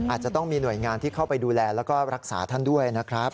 อาจจะต้องมีหน่วยงานที่เข้าไปดูแลแล้วก็รักษาท่านด้วยนะครับ